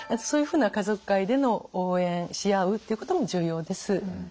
そういうふうな家族会での応援し合うっていうことも重要です。